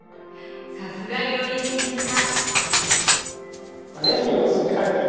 さすが料理研究家！